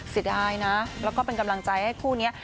เสียดายนะแล้วก็เป็นกำลังใจให้คู่นี้